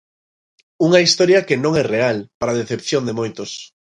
Unha historia que non é real, para decepción de moitos.